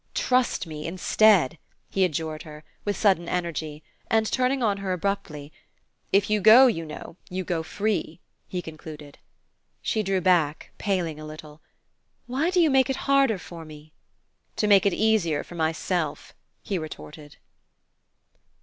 "Trust me, instead!" he adjured her, with sudden energy; and turning on her abruptly, "If you go, you know, you go free," he concluded. She drew back, paling a little. "Why do you make it harder for me?" "To make it easier for myself," he retorted.